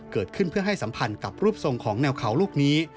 เกิดขึ้นเพื่อให้สัมพันธ์กับรูปทรงของแนวเขาลูกนี้